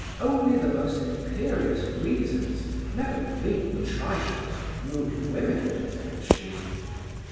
Only the most imperious reasons, never mean trifles, move women, thought she.